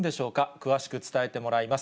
詳しく伝えてもらいます。